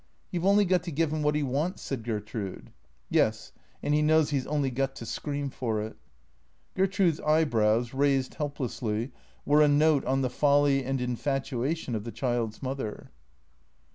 You 've only got to give him what he wants," said Gertrude. " Yes, and he knows he 's only got to scream for it." Gertrude's eyebrows, raised helplessly, were a note on the folly and infatuation of the child's mother.